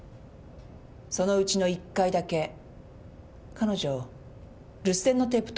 そのうちの１回だけ彼女留守電のテープとっておいたんです。